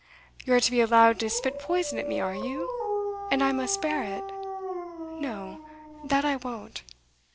'You are to be allowed to spit poison at me are you? And I must bear it? No, that I won't!